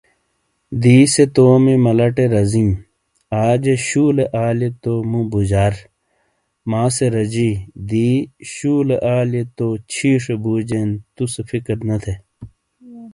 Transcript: دی سے تومی ملہ ٹے رزئیں، آجے شولے آلئیے تو مو بوجار ، ماں سے رجی ؛ دی شولے آلیئے تو چھِیشے بُوجین تُو سے فکر نے تھے ۔